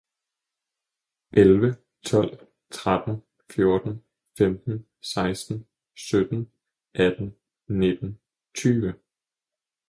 elleve, tolv, tretten, fjorten, femten, seksten, sytten, atten, nitten, tyve